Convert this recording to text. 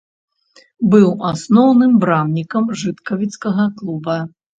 Быў асноўным брамнікам жыткавіцкага клуба.